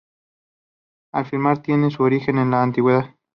La firma tiene su origen en la antigüedad.